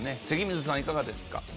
関水さんいかがですか？